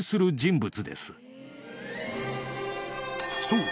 ［そう。